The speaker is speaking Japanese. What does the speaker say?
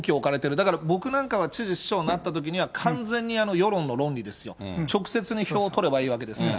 だから僕なんかは知事、市長になったときには、完全に世論の論理ですよ、直接に票を取ればいいわけですから。